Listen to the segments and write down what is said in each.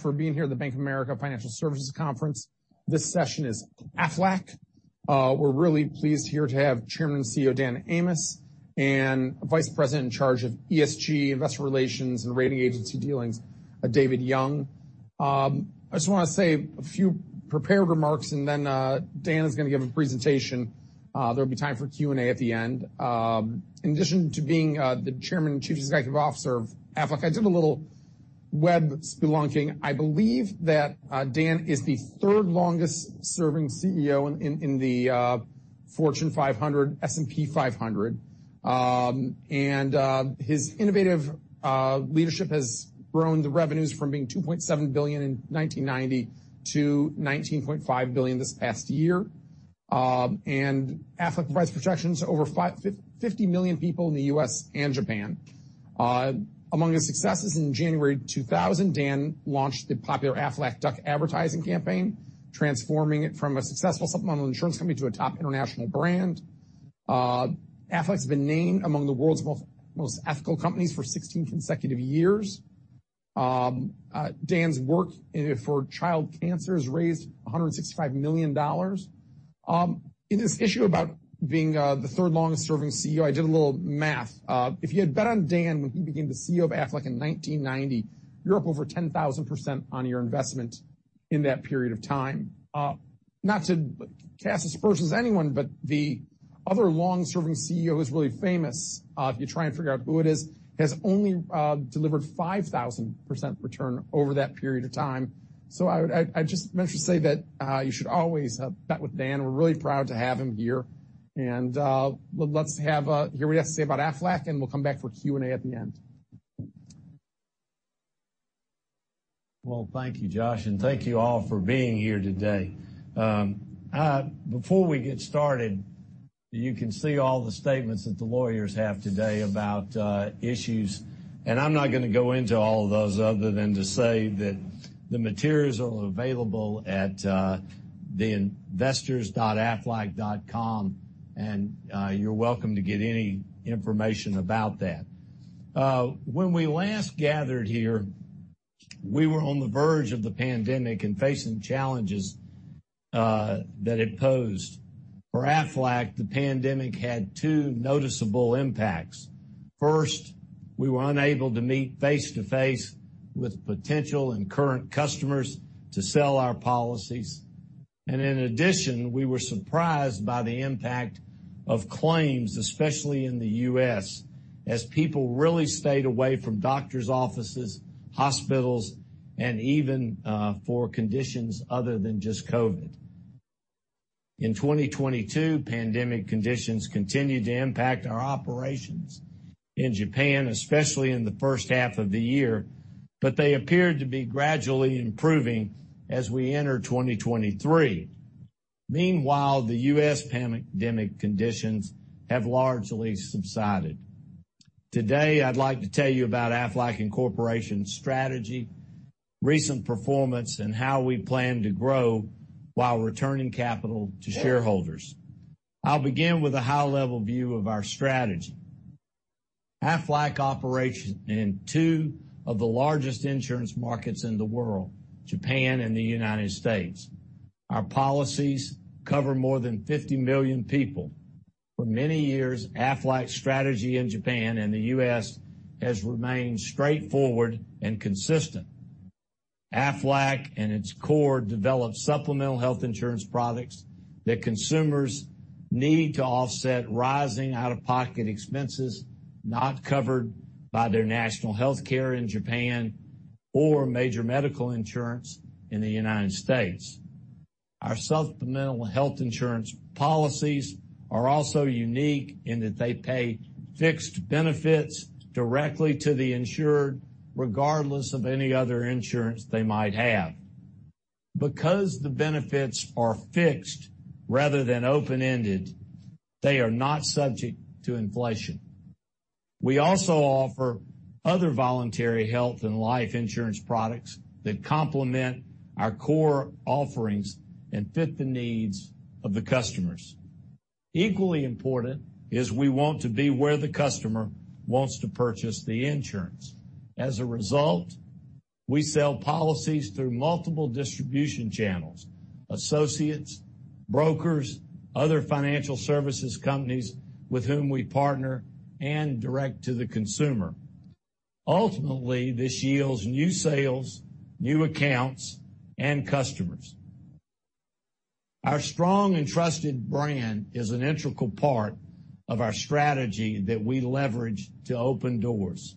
For being here at the Bank of America Financial Services Conference. This session is Aflac. We're really pleased here to have Chairman and CEO Dan Amos and Vice President in charge of ESG, investor relations, and rating agency dealings, David Young. I just wanna say a few prepared remarks and then Dan is gonna give a presentation. There'll be time for Q&A at the end. In addition to being the Chairman and Chief Executive Officer of Aflac, I did a little web spelunking. I believe that Dan is the third longest serving CEO in the Fortune 500, S&P 500. His innovative leadership has grown the revenues from being $2.7 billion in 1990 to $19.5 billion this past year. Aflac provides protections to over 50 million people in the U.S. and Japan. Among his successes, in January 2000, Dan launched the popular Aflac Duck advertising campaign, transforming it from a successful supplemental insurance company to a top international brand. Aflac's been named among the world's most ethical companies for 16 consecutive years. Dan's work for child cancer has raised $165 million. In this issue about being the third longest serving CEO, I did a little math. If you had bet on Dan when he became the CEO of Aflac in 1990, you're up over 10,000% on your investment in that period of time. Not to cast aspersions anyone, but the other long-serving CEO who's really famous, if you try and figure out who it is, has only delivered 5,000% return over that period of time. I just meant to say that you should always bet with Dan Amos. We're really proud to have him here. Let's have hear what he has to say about Aflac, and we'll come back for Q&A at the end. Well, thank you, Josh. Thank you all for being here today. Before we get started, you can see all the statements that the lawyers have today about issues. I'm not gonna go into all of those other than to say that the materials are available at investors.aflac.com. You're welcome to get any information about that. When we last gathered here, we were on the verge of the pandemic and facing challenges that it posed. For Aflac, the pandemic had two noticeable impacts. First, we were unable to meet face-to-face with potential and current customers to sell our policies. In addition, we were surprised by the impact of claims, especially in the U.S., as people really stayed away from doctor's offices, hospitals, and even for conditions other than just COVID. In 2022, pandemic conditions continued to impact our operations in Japan, especially in the first half of the year, but they appeared to be gradually improving as we enter 2023. Meanwhile, the U.S. pandemic conditions have largely subsided. Today, I'd like to tell you about Aflac Incorporated's strategy, recent performance, and how we plan to grow while returning capital to shareholders. I'll begin with a high-level view of our strategy. Aflac operates in two of the largest insurance markets in the world, Japan and the United States. Our policies cover more than 50 million people. For many years, Aflac's strategy in Japan and the U.S. has remained straightforward and consistent. Aflac, in its core, develops supplemental health insurance products that consumers need to offset rising out-of-pocket expenses not covered by their national healthcare in Japan or major medical insurance in the United States. Our supplemental health insurance policies are also unique in that they pay fixed benefits directly to the insured, regardless of any other insurance they might have. Because the benefits are fixed rather than open-ended, they are not subject to inflation. We also offer other voluntary health and life insurance products that complement our core offerings and fit the needs of the customers. Equally important is we want to be where the customer wants to purchase the insurance. As a result, we sell policies through multiple distribution channels, associates, brokers, other financial services companies with whom we partner, and direct to the consumer. Ultimately, this yields new sales, new accounts, and customers. Our strong and trusted brand is an integral part of our strategy that we leverage to open doors.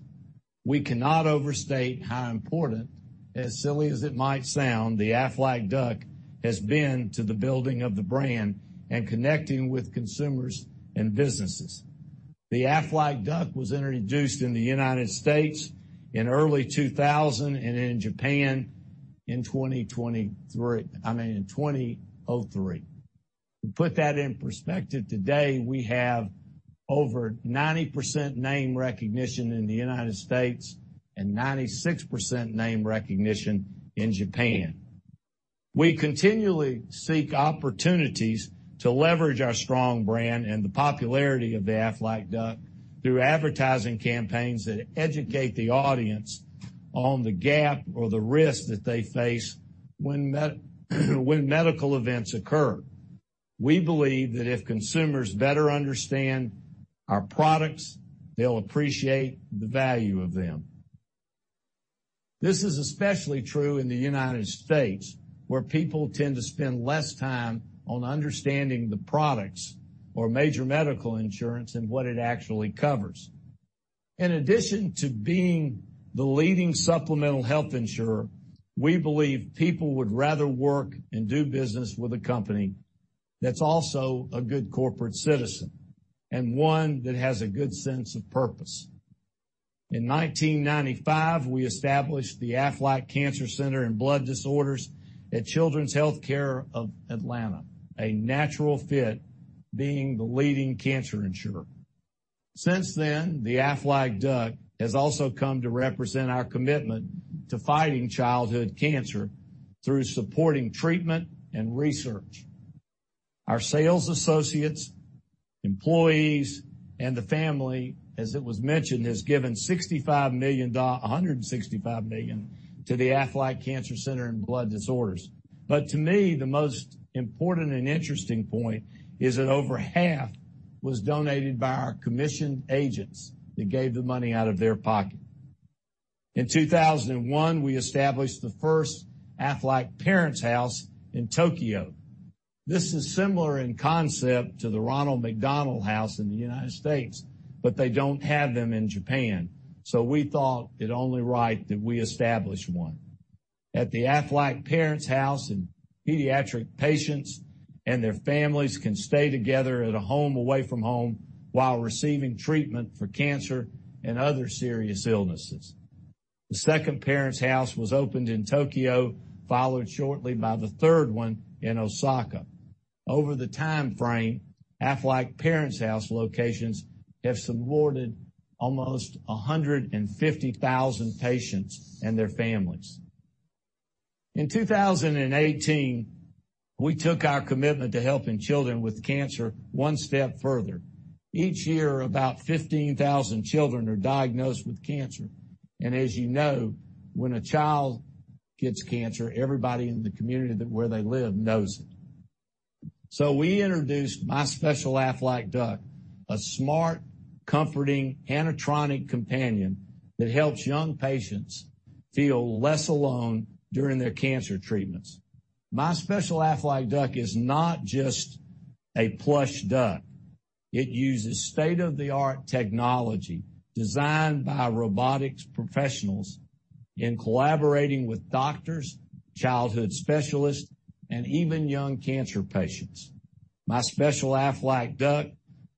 We cannot overstate how important, as silly as it might sound, the Aflac Duck has been to the building of the brand and connecting with consumers and businesses. The Aflac Duck was introduced in the U.S. in early 2000 and in Japan in, I mean, 2003. To put that in perspective, today, we have over 90% name recognition in the U.S. and 96% name recognition in Japan. We continually seek opportunities to leverage our strong brand and the popularity of the Aflac Duck through advertising campaigns that educate the audience on the gap or the risk that they face when medical events occur. We believe that if consumers better understand our products, they'll appreciate the value of them. This is especially true in the United States, where people tend to spend less time on understanding the products or major medical insurance and what it actually covers. In addition to being the leading supplemental health insurer, we believe people would rather work and do business with a company that's also a good corporate citizen and one that has a good sense of purpose. In 1995, we established Aflac Cancer & Blood Disorders Center at Children's Healthcare of Atlanta, a natural fit being the leading cancer insurer. Since then, the Aflac Duck has also come to represent our commitment to fighting childhood cancer through supporting treatment and research. Our sales associates, employees, and the family, as it was mentioned, has given $165 million to the Aflac Cancer & Blood Disorders Center. To me, the most important and interesting point is that over half was donated by our commissioned agents that gave the money out of their pocket. In 2001, we established the first Aflac Parents House in Tokyo. This is similar in concept to the Ronald McDonald House in the United States, they don't have them in Japan, we thought it only right that we establish one. At the Aflac Parents House, pediatric patients and their families can stay together at a home away from home while receiving treatment for cancer and other serious illnesses. The second Parents House was opened in Tokyo, followed shortly by the third one in Osaka. Over the time frame, Aflac Parents House locations have supported almost 150,000 patients and their families. In 2018, we took our commitment to helping children with cancer one step further. Each year, about 15,000 children are diagnosed with cancer, and as you know, when a child gets cancer, everybody in the community that where they live knows it. We introduced My Special Aflac Duck, a smart, comforting, animatronic companion that helps young patients feel less alone during their cancer treatments. My Special Aflac Duck is not just a plush duck. It uses state-of-the-art technology designed by robotics professionals in collaborating with doctors, childhood specialists, and even young cancer patients. My Special Aflac Duck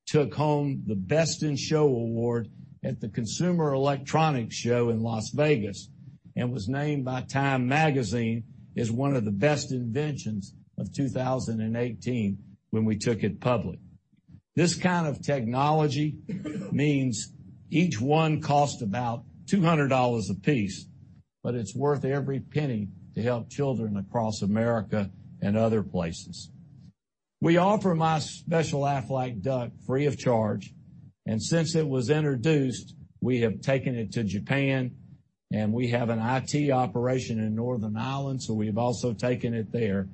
took home the Best in Show award at the Consumer Electronics Show in Las Vegas and was named by TIME Magazine as one of the best inventions of 2018 when we took it public. This kind of technology means each one costs about $200 a piece, but it's worth every penny to help children across America and other places. We offer My Special Aflac Duck free of charge. Since it was introduced, we have taken it to Japan, and we have an IT operation in Northern Ireland, so we've also taken it there.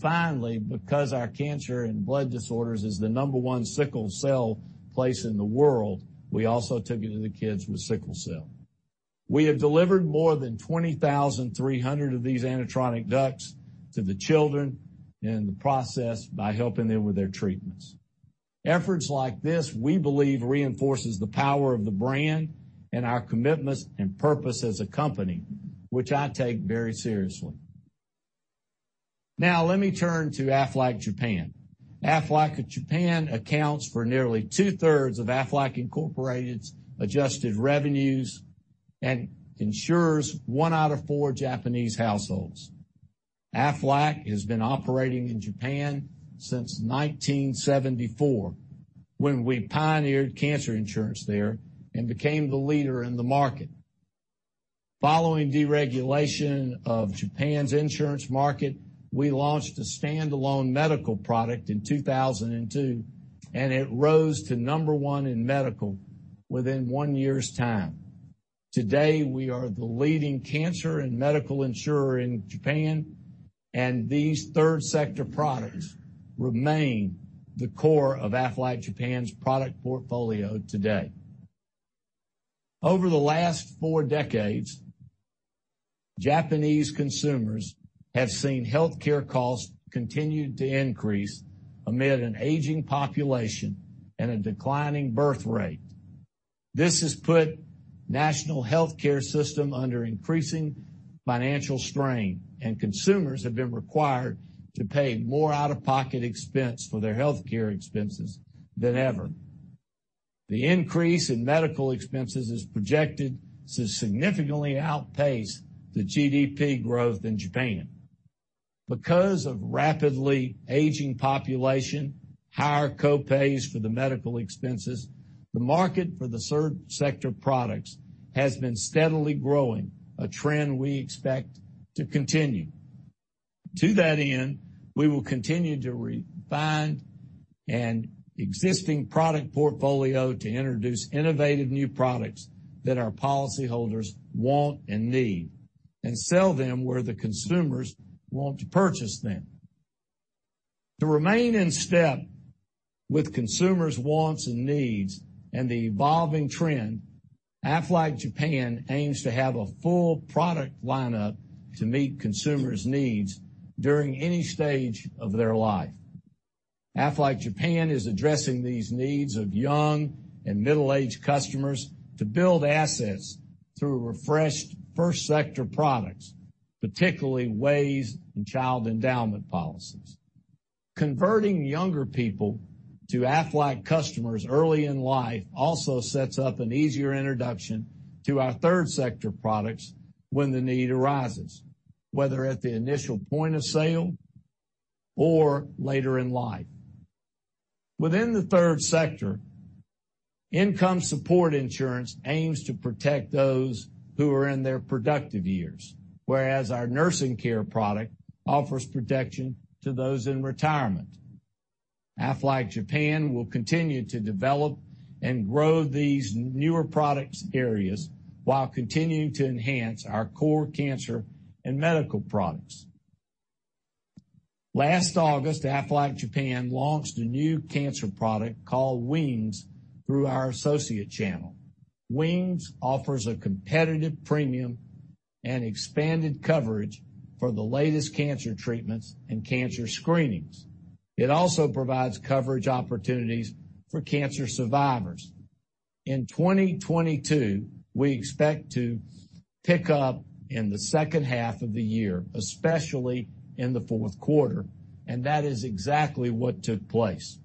Finally, because our Cancer and Blood Disorders is the number one sickle cell place in the world, we also took it to the kids with sickle cell. We have delivered more than 20,300 of these animatronic ducks to the children in the process by helping them with their treatments. Efforts like this, we believe, reinforces the power of the brand and our commitment and purpose as a company, which I take very seriously. Now let me turn to Aflac Japan. Aflac Japan accounts for nearly 2/3 of Aflac Incorporated's adjusted revenues and insures one out of four Japanese households. Aflac has been operating in Japan since 1974 when we pioneered cancer insurance there and became the leader in the market. Following deregulation of Japan's insurance market, we launched a standalone medical product in 2002, and it rose to number one in medical within one year's time. Today, we are the leading cancer and medical insurer in Japan, and these third sector products remain the core of Aflac Japan's product portfolio today. Over the last four decades, Japanese consumers have seen healthcare costs continue to increase amid an aging population and a declining birth rate. This has put national healthcare system under increasing financial strain, and consumers have been required to pay more out-of-pocket expense for their healthcare expenses than ever. The increase in medical expenses is projected to significantly outpace the GDP growth in Japan. Because of rapidly aging population, higher co-pays for the medical expenses, the market for the third sector products has been steadily growing, a trend we expect to continue. To that end, we will continue to refine an existing product portfolio to introduce innovative new products that our policyholders want and need, and sell them where the consumers want to purchase them. To remain in step with consumers' wants and needs and the evolving trend, Aflac Japan aims to have a full product lineup to meet consumers' needs during any stage of their life. Aflac Japan is addressing these needs of young and middle-aged customers to build assets through refreshed first sector products, particularly WAYS and Child Endowment policies. Converting younger people to Aflac customers early in life also sets up an easier introduction to our third sector products when the need arises, whether at the initial point of sale or later in life. Within the third sector, income support insurance aims to protect those who are in their productive years, whereas our nursing care product offers protection to those in retirement. Aflac Japan will continue to develop and grow these newer products areas while continuing to enhance our core cancer and medical products. Last August, Aflac Japan launched a new cancer product called WINGS through our associate channel. WINGS offers a competitive premium and expanded coverage for the latest cancer treatments and cancer screenings. It also provides coverage opportunities for cancer survivors. In 2022, we expect to pick up in the second half of the year, especially in the fourth quarter. That is exactly what took place.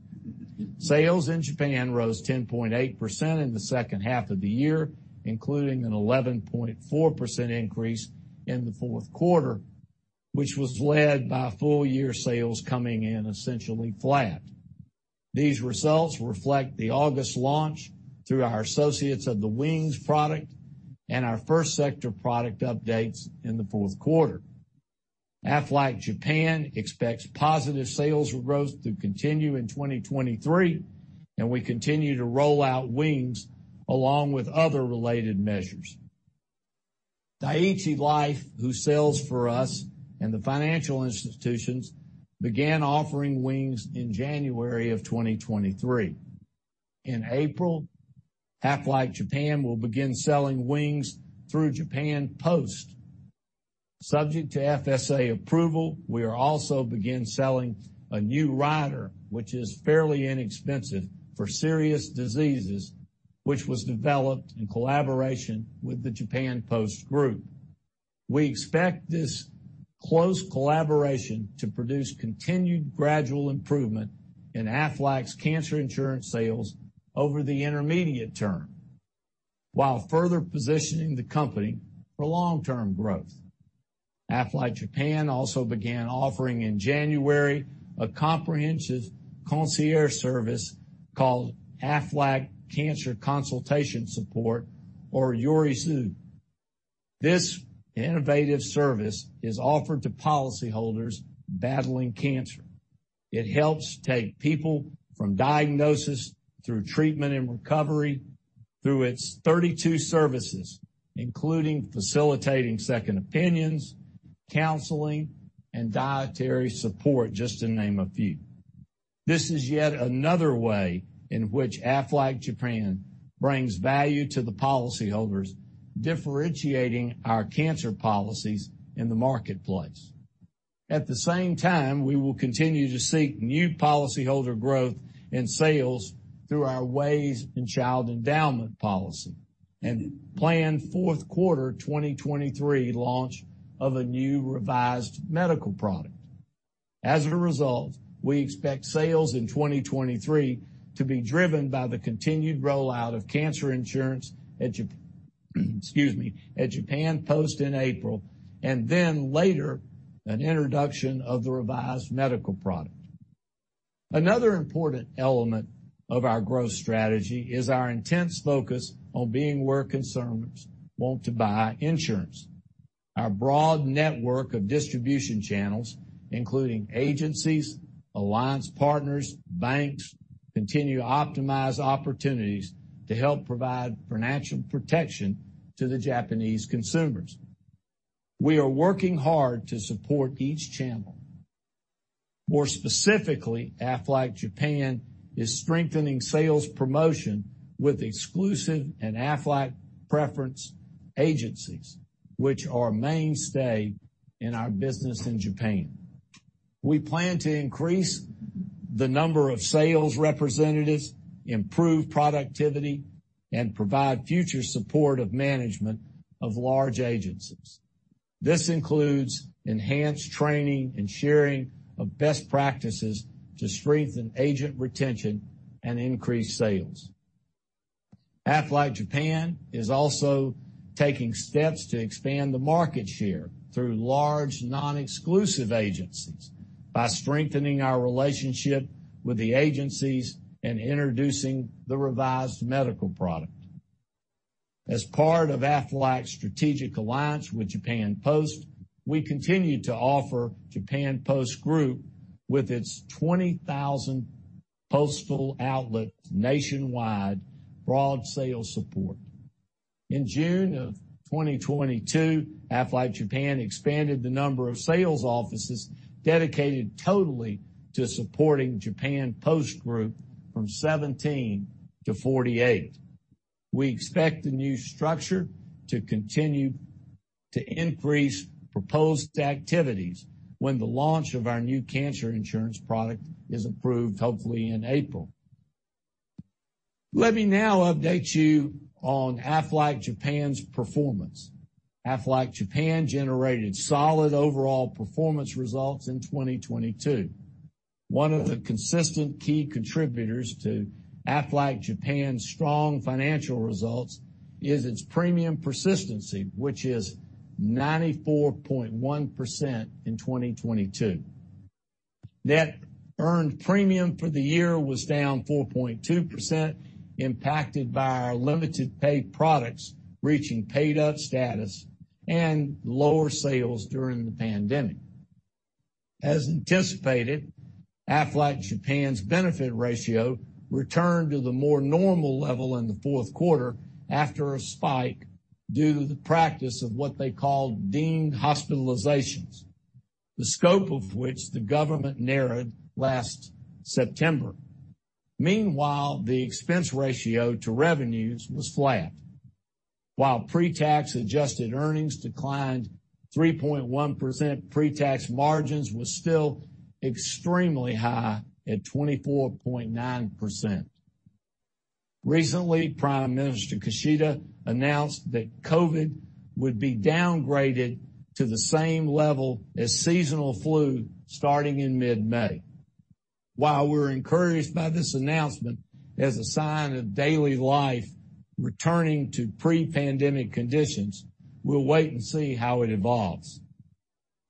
Sales in Japan rose 10.8% in the second half of the year, including an 11.4% increase in the fourth quarter, which was led by full-year sales coming in essentially flat. These results reflect the August launch through our associates of the WINGS product and our first sector product updates in the fourth quarter. Aflac Japan expects positive sales growth to continue in 2023. We continue to roll out WINGS along with other related measures. Dai-ichi Life, who sells for us, and the financial institutions began offering WINGS in January of 2023. In April, Aflac Japan will begin selling WINGS through Japan Post. Subject to FSA approval, we are also begin selling a new rider, which is fairly inexpensive for serious diseases, which was developed in collaboration with the Japan Post Group. We expect this close collaboration to produce continued gradual improvement in Aflac's cancer insurance sales over the intermediate term while further positioning the company for long-term growth. Aflac Japan also began offering in January a comprehensive concierge service called Aflac Cancer Consultation Support or Yorisou. This innovative service is offered to policyholders battling cancer. It helps take people from diagnosis through treatment and recovery through its 32 services, including facilitating second opinions, counseling, and dietary support, just to name a few. This is yet another way in which Aflac Japan brings value to the policyholders, differentiating our cancer policies in the marketplace. At the same time, we will continue to seek new policyholder growth in sales through our WAYS and Child Endowment policy and plan fourth quarter 2023 launch of a new revised medical product. As a result, we expect sales in 2023 to be driven by the continued rollout of cancer insurance at Japan Post in April, and then later an introduction of the revised medical product. Another important element of our growth strategy is our intense focus on being where consumers want to buy insurance. Our broad network of distribution channels, including agencies, alliance partners, banks, continue to optimize opportunities to help provide financial protection to the Japanese consumers. We are working hard to support each channel. More specifically, Aflac Japan is strengthening sales promotion with exclusive and Aflac preference agencies, which are a mainstay in our business in Japan. We plan to increase the number of sales representatives, improve productivity, and provide future support of management of large agencies. This includes enhanced training and sharing of best practices to strengthen agent retention and increase sales. Aflac Japan is also taking steps to expand the market share through large non-exclusive agencies by strengthening our relationship with the agencies and introducing the revised medical product. As part of Aflac's strategic alliance with Japan Post, we continue to offer Japan Post Group with its 20,000 postal outlets nationwide, broad sales support. In June of 2022, Aflac Japan expanded the number of sales offices dedicated totally to supporting Japan Post Group from 17 to 48. We expect the new structure to continue to increase proposed activities when the launch of our new cancer insurance product is approved, hopefully in April. Let me now update you on Aflac Japan's performance. Aflac Japan generated solid overall performance results in 2022. One of the consistent key contributors to Aflac Japan's strong financial results is its premium persistency, which is 94.1% in 2022. Net earned premium for the year was down 4.2%, impacted by our limited pay products reaching paid up status and lower sales during the pandemic. As anticipated, Aflac Japan's benefit ratio returned to the more normal level in the fourth quarter after a spike due to the practice of what they call deemed hospitalizations, the scope of which the government narrowed last September. Meanwhile, the expense ratio to revenues was flat. While pre-tax adjusted earnings declined 3.1%, pre-tax margins were still extremely high at 24.9%. Recently, Prime Minister Kishida announced that COVID would be downgraded to the same level as seasonal flu starting in mid-May. While we're encouraged by this announcement as a sign of daily life returning to pre-pandemic conditions, we'll wait and see how it evolves.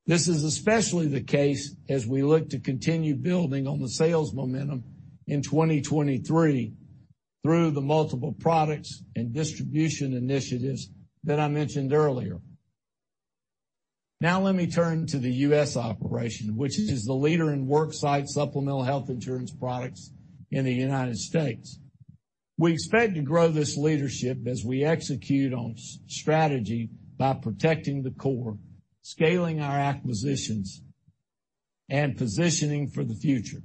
This is especially the case as we look to continue building on the sales momentum in 2023 through the multiple products and distribution initiatives that I mentioned earlier. Let me turn to the U.S. operation, which is the leader in worksite supplemental health insurance products in the United States. We expect to grow this leadership as we execute on s-strategy by protecting the core, scaling our acquisitions, and positioning for the future.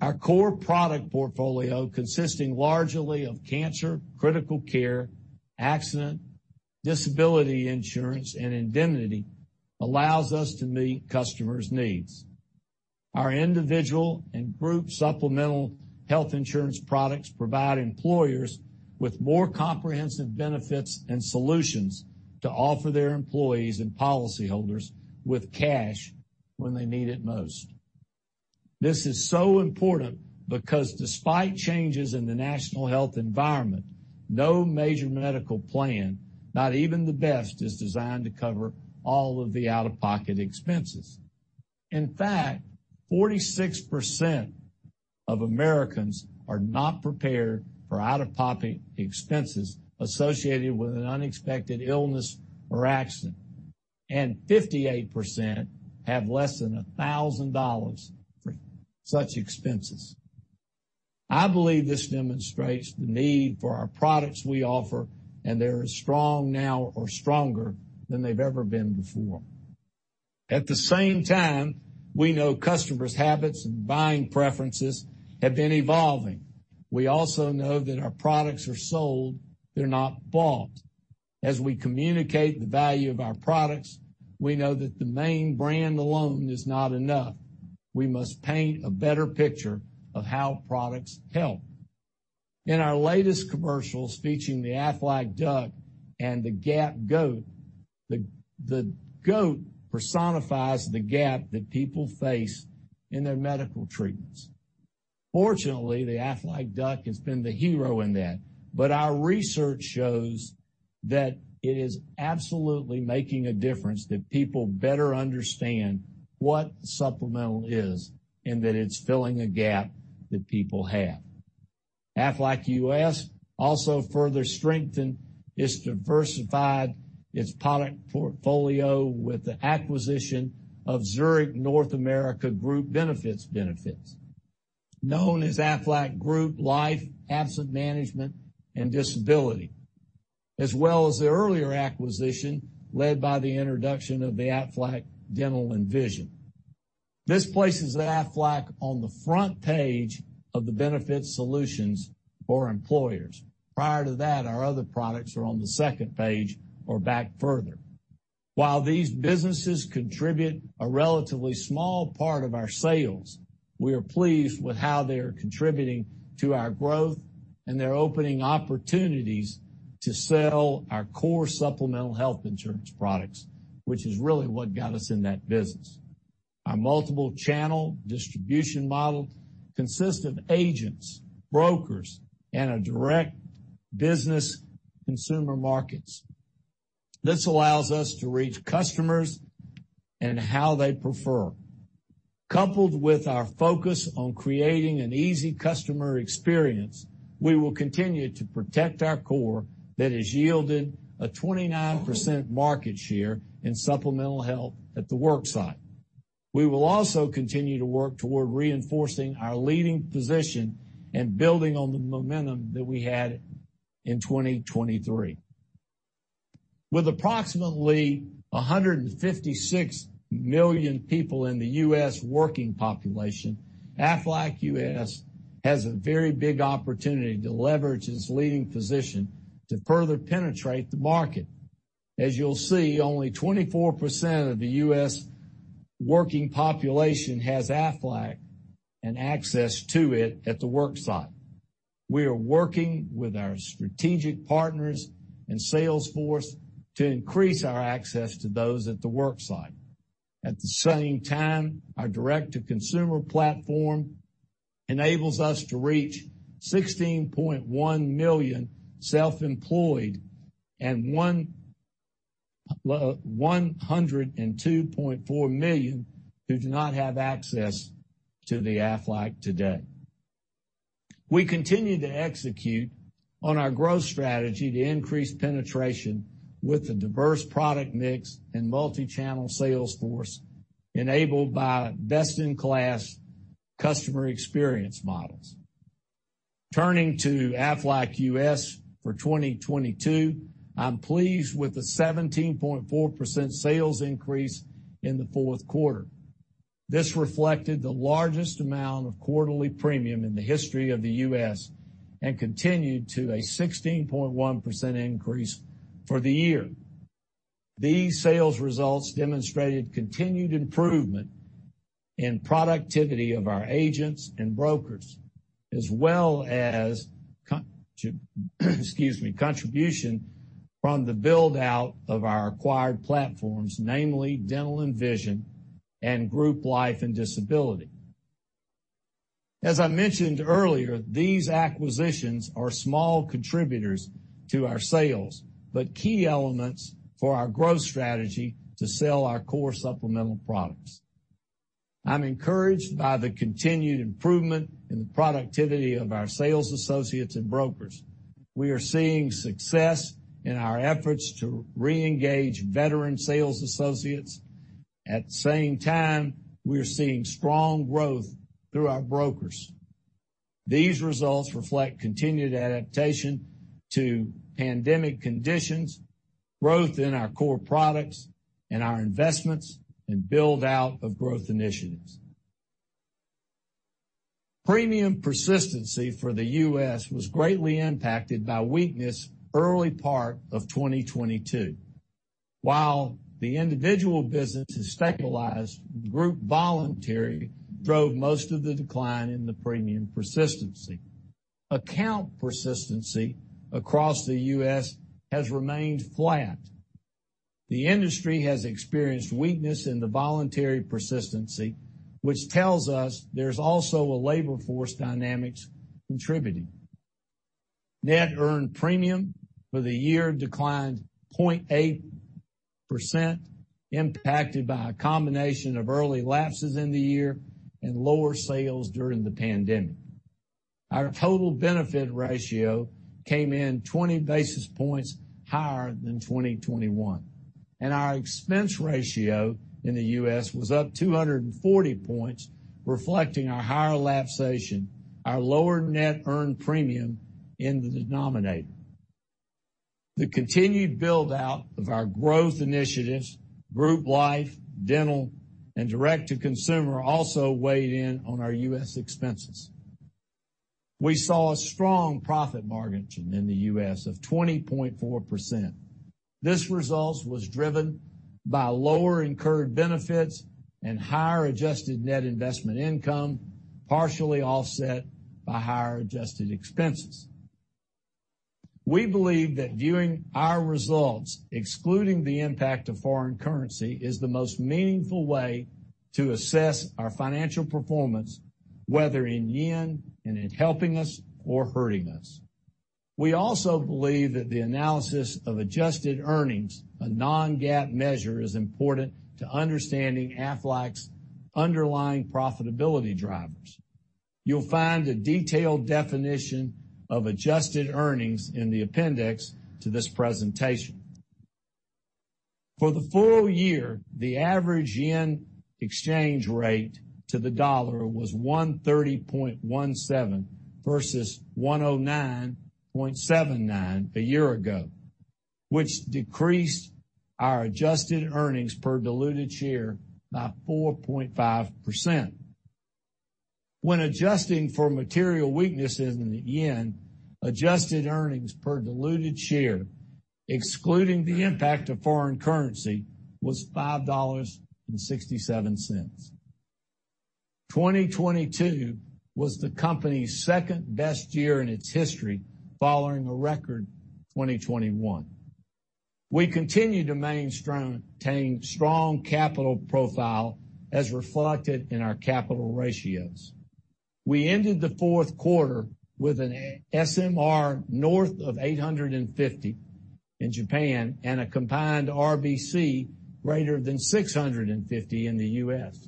Our core product portfolio, consisting largely of cancer, critical care, accident, disability insurance, and indemnity, allows us to meet customers' needs. Our individual and group supplemental health insurance products provide employers with more comprehensive benefits and solutions to offer their employees and policyholders with cash when they need it most. This is so important because despite changes in the national health environment, no major medical plan, not even the best, is designed to cover all of the out-of-pocket expenses. In fact, 46% of Americans are not prepared for out-of-pocket expenses associated with an unexpected illness or accident, and 58% have less than $1,000 for such expenses. I believe this demonstrates the need for our products we offer, and they're as strong now or stronger than they've ever been before. At the same time, we know customers' habits and buying preferences have been evolving. We also know that our products are sold, they're not bought. As we communicate the value of our products, we know that the main brand alone is not enough. We must paint a better picture of how products help. In our latest commercials featuring the Aflac Duck and the Gap Goat, the goat personifies the gap that people face in their medical treatments. Fortunately, the Aflac Duck has been the hero in that. But our research shows that it is absolutely making a difference, that people better understand what supplemental is, and that it's filling a gap that people have. Aflac U.S. also further strengthened its diversified, its product portfolio with the acquisition of Zurich North America Group Benefits, known as Aflac Group Life, Absence Management, and Disability, as well as the earlier acquisition led by the introduction of the Aflac Dental and Vision. This places Aflac on the front page of the benefit solutions for employers. Prior to that, our other products are on the second page or back further. While these businesses contribute a relatively small part of our sales, we are pleased with how they are contributing to our growth and they're opening opportunities to sell our core supplemental health insurance products, which is really what got us in that business. Our multiple channel distribution model consists of agents, brokers, and a direct business consumer markets. This allows us to reach customers in how they prefer. Coupled with our focus on creating an easy customer experience, we will continue to protect our core that has yielded a 29% market share in supplemental health at the work site. We will also continue to work toward reinforcing our leading position and building on the momentum that we had in 2023. With approximately 156 million people in the U.S. working population, Aflac U.S. has a very big opportunity to leverage its leading position to further penetrate the market. As you'll see, only 24% of the U.S. working population has Aflac and access to it at the work site. We are working with our strategic partners and sales force to increase our access to those at the work site. At the same time, our direct-to-consumer platform enables us to reach 16.1 million self-employed and 102.4 million who do not have access to the Aflac today. We continue to execute on our growth strategy to increase penetration with the diverse product mix and multichannel sales force enabled by best-in-class customer experience models. Turning to Aflac U.S. for 2022, I'm pleased with the 17.4% sales increase in the 4th quarter. This reflected the largest amount of quarterly premium in the history of the U.S. and continued to a 16.1% increase for the year. These sales results demonstrated continued improvement in productivity of our agents and brokers, as well as excuse me, contribution from the build-out of our acquired platforms, namely Dental and Vision, and Group Life and Disability. As I mentioned earlier, these acquisitions are small contributors to our sales, but key elements for our growth strategy to sell our core supplemental products. I'm encouraged by the continued improvement in the productivity of our sales associates and brokers. We are seeing success in our efforts to reengage veteran sales associates. At the same time, we are seeing strong growth through our brokers. These results reflect continued adaptation to pandemic conditions, growth in our core products, and our investments in build-out of growth initiatives. Premium persistency for the U.S. was greatly impacted by weakness early part of 2022. While the individual business has stabilized, group voluntary drove most of the decline in the premium persistency. Account persistency across the U.S. has remained flat. The industry has experienced weakness in the voluntary persistency, which tells us there's also a labor force dynamics contributing. Net earned premium for the year declined 0.8%, impacted by a combination of early lapses in the year and lower sales during the pandemic. Our total benefit ratio came in 20 basis points higher than 2021, and our expense ratio in the U.S. was up 240 points, reflecting our higher lapsation, our lower net earned premium in the denominator. The continued build-out of our growth initiatives, Group Life, Dental, and direct to consumer, also weighed in on our U.S. expenses. We saw a strong profit margin in the U.S. of 20.4%. This result was driven by lower incurred benefits and higher adjusted net investment income, partially offset by higher adjusted expenses. We believe that viewing our results, excluding the impact of foreign currency, is the most meaningful way to assess our financial performance, whether in yen and in helping us or hurting us. We also believe that the analysis of adjusted earnings, a non-GAAP measure, is important to understanding Aflac's underlying profitability drivers. You'll find a detailed definition of adjusted earnings in the appendix to this presentation. For the full year, the average yen exchange rate to the dollar was 130.17 versus 109.79 a year ago, which decreased our adjusted earnings per diluted share by 4.5%. When adjusting for material weakness in the yen, adjusted earnings per diluted share, excluding the impact of foreign currency, was $5.67. 2022 was the company's second-best year in its history following a record 2021. We continue to maintain strong capital profile as reflected in our capital ratios. We ended the fourth quarter with an SMR north of 850 in Japan and a combined RBC greater than 650 in the U.S.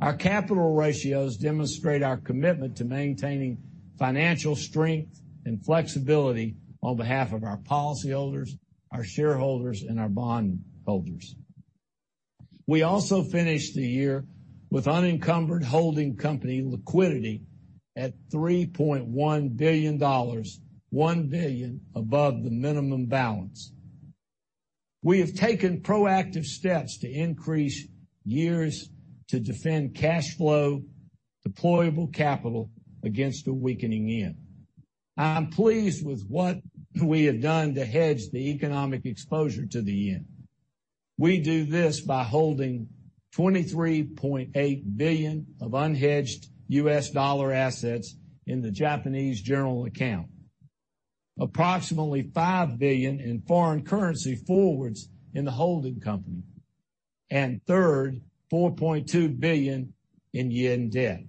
Our capital ratios demonstrate our commitment to maintaining financial strength and flexibility on behalf of our policyholders, our shareholders, and our bondholders. We also finished the year with unencumbered holding company liquidity at $3.1 billion, $1 billion above the minimum balance. We have taken proactive steps to increase years to defend cash flow, deployable capital against a weakening yen. I'm pleased with what we have done to hedge the economic exposure to the yen. We do this by holding $23.8 billion of unhedged U.S. dollar assets in the Japanese general account. Approximately $5 billion in foreign currency forwards in the holding company. Third, 4.2 billion in yen debt.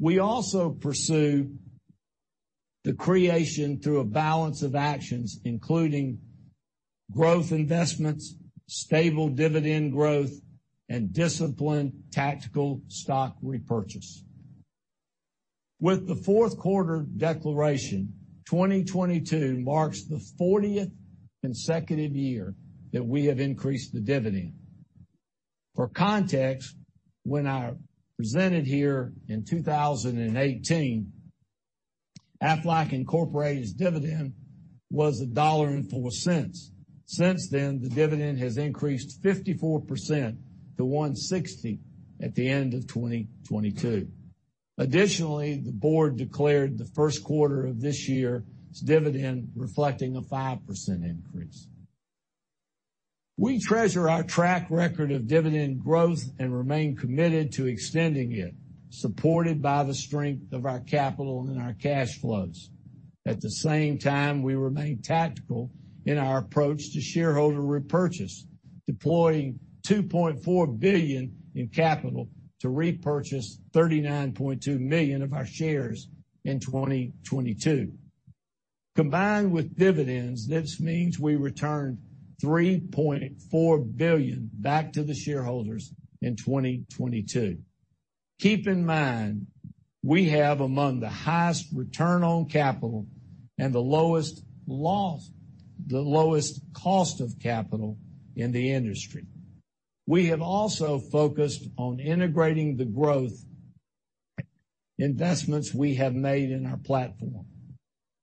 We also pursue the creation through a balance of actions, including growth investments, stable dividend growth, and disciplined tactical stock repurchase. With the fourth quarter declaration, 2022 marks the 40th consecutive year that we have increased the dividend. For context, when I presented here in 2018, Aflac Incorporated's dividend was $1.04. Since then, the dividend has increased 54% to $1.60 at the end of 2022. Additionally, the board declared the first quarter of this year's dividend reflecting a 5% increase. We treasure our track record of dividend growth and remain committed to extending it, supported by the strength of our capital and our cash flows. At the same time, we remain tactical in our approach to shareholder repurchase, deploying $2.4 billion in capital to repurchase 39.2 million of our shares in 2022. Combined with dividends, this means we returned $3.4 billion back to the shareholders in 2022. Keep in mind, we have among the highest return on capital and the lowest cost of capital in the industry. We have also focused on integrating the growth investments we have made in our platform.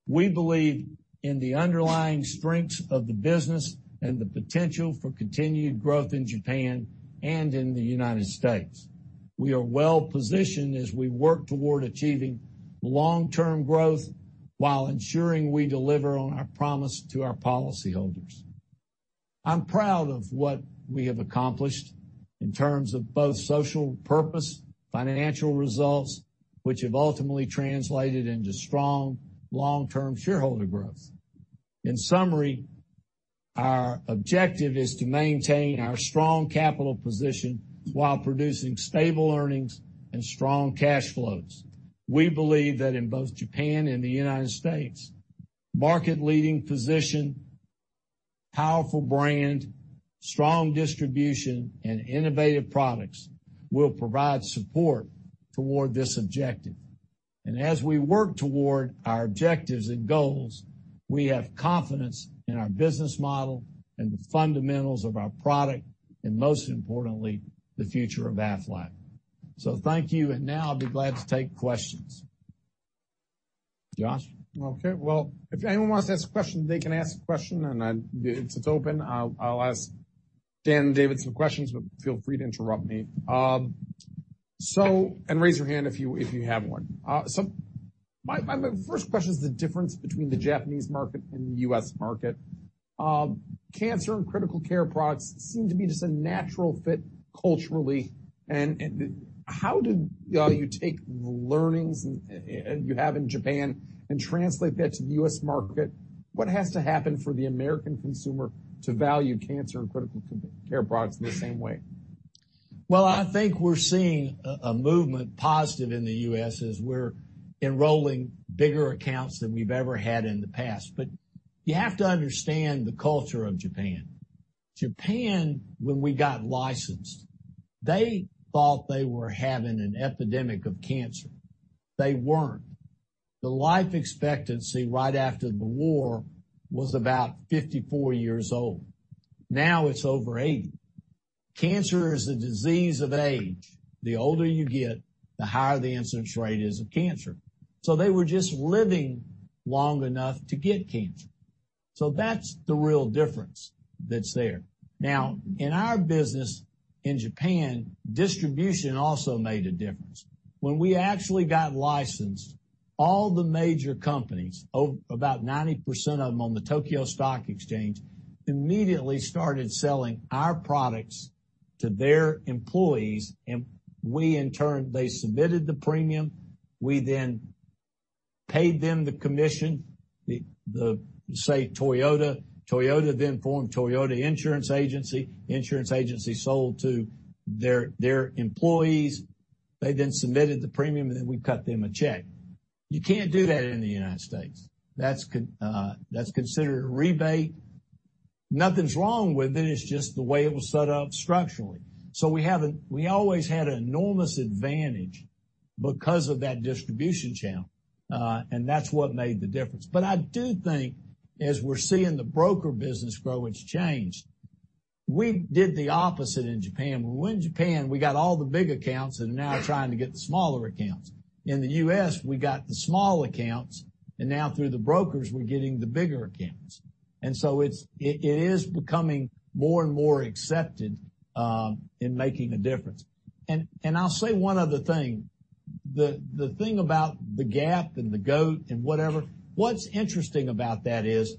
We believe in the underlying strengths of the business and the potential for continued growth in Japan and in the United States. We are well positioned as we work toward achieving long-term growth while ensuring we deliver on our promise to our policyholders. I'm proud of what we have accomplished in terms of both social purpose, financial results, which have ultimately translated into strong long-term shareholder growth. In summary, our objective is to maintain our strong capital position while producing stable earnings and strong cash flows. We believe that in both Japan and the United States, market leading position, powerful brand, strong distribution, and innovative products will provide support toward this objective. As we work toward our objectives and goals, we have confidence in our business model and the fundamentals of our product, and most importantly, the future of Aflac. Thank you, and now I'll be glad to take questions. Josh? Okay. Well, if anyone wants to ask a question, they can ask a question, and It's open. I'll ask Dan and David some questions, but feel free to interrupt me. Raise your hand if you, if you have one. My, my first question is the difference between the Japanese market and the U.S. market. Cancer and critical care products seem to be just a natural fit culturally. How did you take the learnings you have in Japan and translate that to the U.S. market? What has to happen for the American consumer to value cancer and critical care products in the same way? I think we're seeing a movement positive in the U.S. as we're enrolling bigger accounts than we've ever had in the past. You have to understand the culture of Japan. Japan, when we got licensed, they thought they were having an epidemic of cancer. They weren't. The life expectancy right after the war was about 54 years old. Now it's over 80. Cancer is a disease of age. The older you get, the higher the incidence rate is of cancer. They were just living long enough to get cancer. That's the real difference that's there. In our business in Japan, distribution also made a difference. When we actually got licensed. All the major companies, about 90% of them on the Tokyo Stock Exchange, immediately started selling our products to their employees. We in turn. They submitted the premium, we then paid them the commission. The, say, Toyota then formed Toyota Insurance Agency. Insurance Agency sold to their employees. They then submitted the premium, and then we cut them a check. You can't do that in the United States. That's considered a rebate. Nothing's wrong with it. It's just the way it was set up structurally. We always had an enormous advantage because of that distribution channel, and that's what made the difference. I do think as we're seeing the broker business grow, it's changed. We did the opposite in Japan, where in Japan we got all the big accounts and now trying to get the smaller accounts. In the U.S., we got the small accounts, and now through the brokers, we're getting the bigger accounts. It is becoming more and more accepted in making a difference. I'll say one other thing. The thing about the Gap Goat and whatever, what's interesting about that is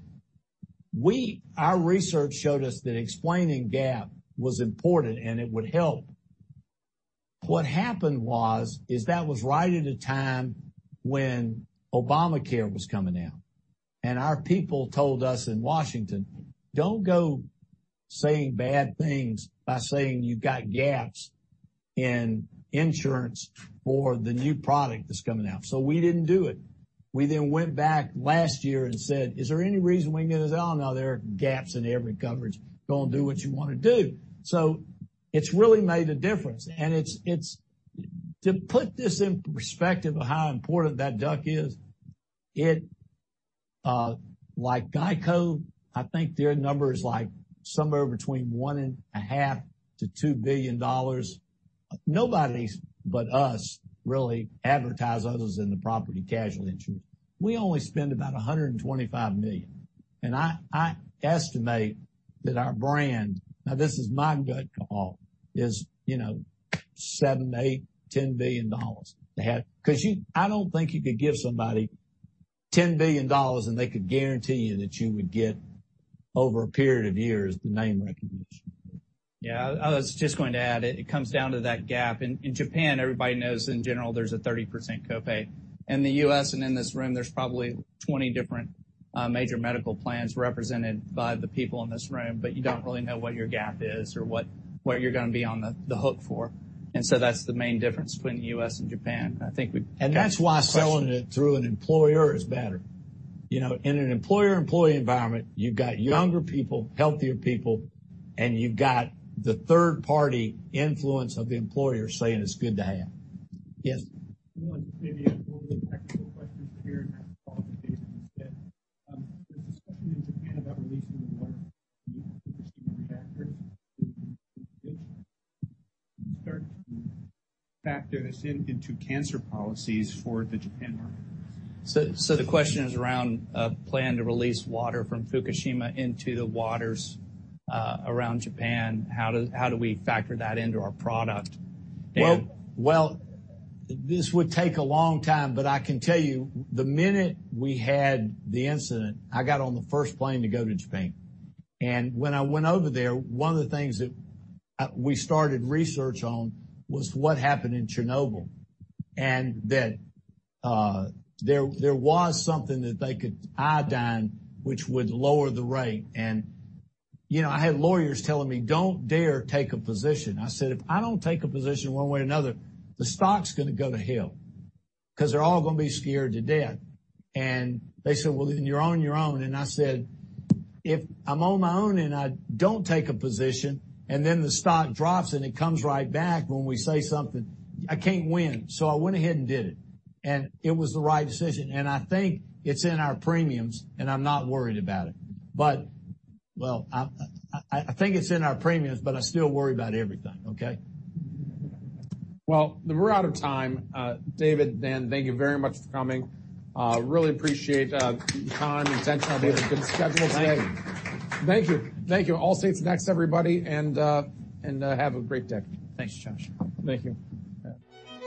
our research showed us that explaining gap was important and it would help. What happened was is that was right at a time when Obamacare was coming out, and our people told us in Washington, "Don't go saying bad things by saying you've got gaps in insurance for the new product that's coming out." We didn't do it. We went back last year and said, "Is there any reason we can get this?" "Oh, no, there are gaps in every coverage. Go and do what you wanna do." It's really made a difference. To put this in perspective of how important that duck is, it, like GEICO, I think their number is like somewhere between $1.5 billion - $2 billion. Nobody but us really advertise others in the property casualty insurance. We only spend about $125 million. I estimate that our brand, now this is my gut call, is, you know, $7 billion, $8 billion, $10 billion to have. I don't think you could give somebody $10 billion and they could guarantee you that you would get over a period of years the name recognition. Yeah. I was just going to add, it comes down to that gap. In Japan, everybody knows in general there's a 30% copay. In the U.S. and in this room, there's probably 20 different major medical plans represented by the people in this room, but you don't really know what your gap is or what you're gonna be on the hook for. That's the main difference between U.S. and Japan. I think That's why selling it through an employer is better. You know, in an employer-employee environment, you've got younger people, healthier people, and you've got the third party influence of the employer saying it's good to have. Yes. I wanted to give you a little technical question here, and I apologize in advance. There's discussion in Japan about releasing the water from the Fukushima reactors into the ocean. Do you start to factor this in, into cancer policies for the Japan market? The question is around a plan to release water from Fukushima into the waters around Japan. How do we factor that into our product? Well, this would take a long time, but I can tell you the minute we had the incident, I got on the first plane to go to Japan. When I went over there, one of the things that we started research on was what happened in Chernobyl, and that there was something that iodine, which would lower the rate. You know, I had lawyers telling me, "Don't dare take a position." I said, "If I don't take a position one way or another, the stock's gonna go to hell 'cause they're all gonna be scared to death." They said, "Well, then you're on your own." I said, "If I'm on my own and I don't take a position, and then the stock drops and it comes right back when we say something, I can't win." I went ahead and did it. It was the right decision. I think it's in our premiums, and I'm not worried about it. Well, I think it's in our premiums, but I still worry about everything, okay? Well, we're out of time. David, Dan, thank you very much for coming. Really appreciate your time and attention. I know you have a good schedule today. Thank you. Thank you. Allstate's next, everybody. Have a great day. Thanks, Josh. Thank you. Yeah.